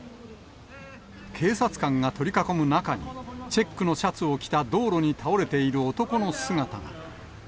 警察官が取り囲む中に、チェックのシャツを着た、道路に倒れている男の姿が。